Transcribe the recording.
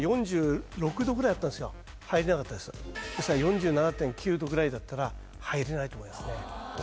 入れなかったですですから４７．９℃ぐらいだったら入れないと思いますね。